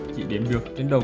chỉ đếm được trên đường xe lửa